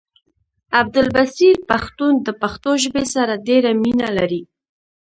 عبدالبصير پښتون د پښتو ژبې سره ډيره مينه لري